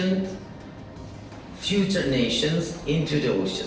dan negara masa depan ke laut